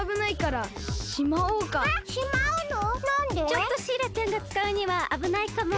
ちょっとしーらちゃんがつかうにはあぶないかも。